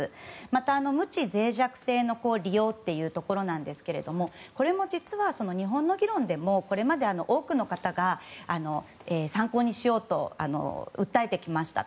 また、無知・脆弱性の利用というところなんですけどもこれも実は、日本の議論でもこれまで多くの方が参考にしようと訴えてきました。